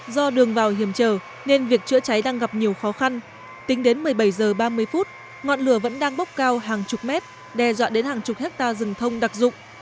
do đường vào hiểm trở nên việc chữa cháy đang gặp nhiều khó khăn tính đến một mươi bảy h ba mươi phút ngọn lửa vẫn đang bốc cao hàng chục mét đe dọa đến hàng chục hectare rừng thông đặc dụng